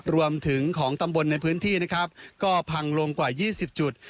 รวมถึงของตำบลในพื้นที่นะครับก็พังลงกว่า๒๐จุด